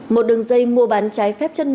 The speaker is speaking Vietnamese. một đường dây mua bán trái phép chất lượng